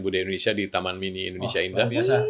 budaya indonesia di taman mini indonesia indah